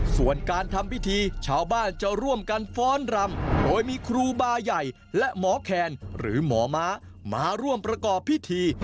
ส่วนการทำพิธีชาวบ้านจะร่วมกันฟ้อนรำโดยมีครูบาใหญ่และหมอแคนหรือหมอม้ามาร่วมประกอบพิธี